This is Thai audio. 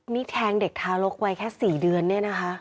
นี่แทงเด็กทารกวัยแค่๔เดือนเนี่ยนะคะ